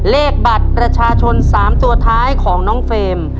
เลขบัตรประชาชน๓ตัวท้ายของน้องเฟรม